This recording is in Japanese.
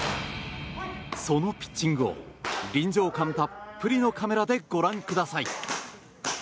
そのピッチングを臨場感たっぷりのカメラでご覧ください。